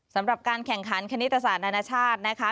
สำหรับการแข่งขันคณิตศาสตร์นานาชาตินะคะ